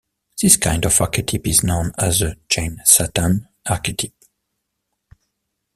This kind of archetype is known as the "Chained Satan" archetype.